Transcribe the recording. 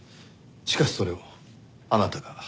しかしそれをあなたが止めた。